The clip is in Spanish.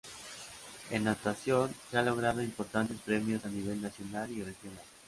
En natación, se han logrado importantes premios a nivel nacional y regional.